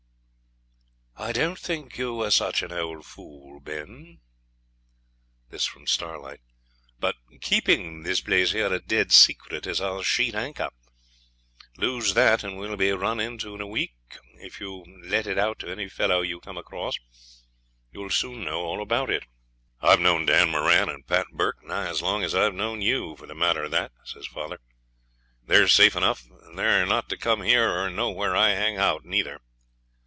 'I didn't think you were such an old fool, Ben,' said Starlight; 'but keeping this place here a dead secret is our sheet anchor. Lose that, and we'll be run into in a week. If you let it out to any fellow you come across, you will soon know all about it.' 'I've known Dan Moran and Pat Burke nigh as long as I've known you, for the matter of that,' says father. 'They're safe enough, and they're not to come here or know where I hang out neither.